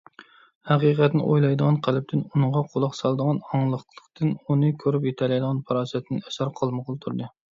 ھەقىقەتنى ئويلايدىغان قەلبتىن، ئۇنىڭغا قۇلاق سالىدىغان ئاڭلىقلىقتىن، ئۇنى كۆرۈپ يېتەلەيدىغان پاراسەتتىن ئەسەر قالمىغىلى تۇردى.